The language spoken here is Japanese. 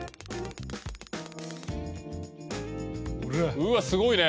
うわっすごいね。